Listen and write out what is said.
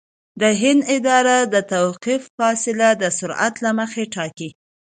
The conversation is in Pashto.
د هند اداره د توقف فاصله د سرعت له مخې ټاکي